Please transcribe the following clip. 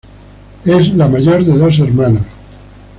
Es la mayor de dos hermanos.